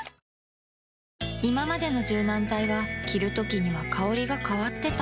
いままでの柔軟剤は着るときには香りが変わってた